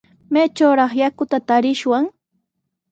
¿Maytrawraq yakuta tarishwan?